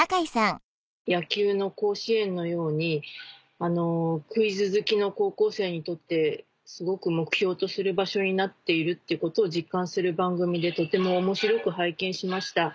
野球の甲子園のようにクイズ好きの高校生にとってすごく目標とする場所になっているっていうことを実感する番組でとても面白く拝見しました。